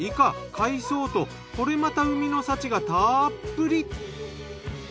海藻とこれまた海の幸がたっぷり。